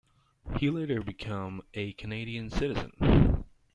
He later become a Canadian citizen.